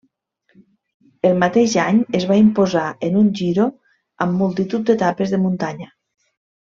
El mateix any es va imposar en un Giro amb multitud d'etapes de muntanya.